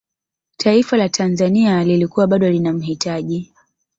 taifa la tanzania lilikuwa bado linamhitaji